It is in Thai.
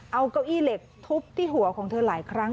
เอาเก้าอี้เหล็กทุบที่หัวของเธอหลายครั้ง